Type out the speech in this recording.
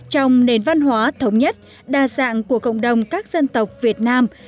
trong nền văn hóa thống nhất đa dạng của cộng đồng các dân tộc việt nam